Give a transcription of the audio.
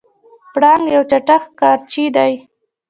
پړانګ یو چټک ښکارچی دی.